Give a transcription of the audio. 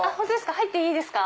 入っていいですか？